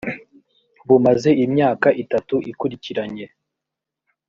bumaze imyaka itatu ikurikiranye